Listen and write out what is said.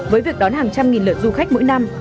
với việc đón hàng trăm nghìn lượt du khách mỗi năm